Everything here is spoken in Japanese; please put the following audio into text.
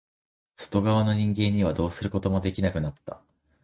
外側の人間にはどうすることもできなくなった。